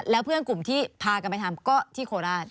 แล้วเพื่อนกลุ่มที่พากันไปทำก็ที่โคราช